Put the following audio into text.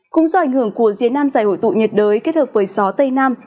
cũng do ảnh hưởng của diên nam giải hội tụ nhiệt đới kết hợp với gió tây nam